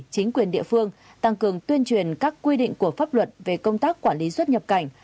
chính quyền địa phương tăng cường tuyên truyền các quy định của pháp luật về công tác quản lý xuất nhập cảnh